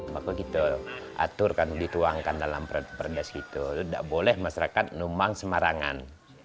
maka gitu atur kan dituangkan dalam perdes gitu nggak boleh masyarakat numang semarangan